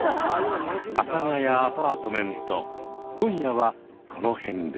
「阿佐ヶ谷アパートメント」今夜はこの辺で。